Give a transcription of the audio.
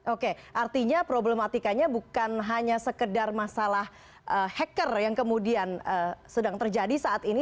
oke artinya problematikanya bukan hanya sekedar masalah hacker yang kemudian sedang terjadi saat ini